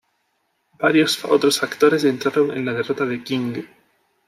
Varios otros factores entraron en la derrota de King.